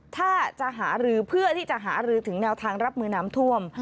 ถ้าจะหารือเพื่อที่จะหารือถึงแนวทางรับมือน้ำท่วม